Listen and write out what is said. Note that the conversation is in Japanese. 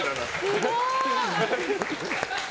すごい！